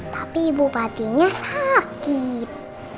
tapi bu patinya sakit